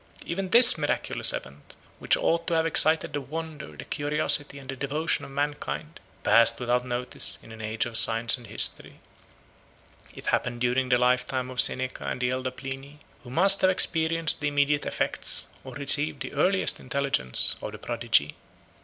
Even this miraculous event, which ought to have excited the wonder, the curiosity, and the devotion of mankind, passed without notice in an age of science and history. 196 It happened during the lifetime of Seneca and the elder Pliny, who must have experienced the immediate effects, or received the earliest intelligence, of the prodigy.